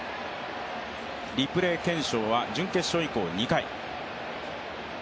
リプレー検証は準決勝以降２回。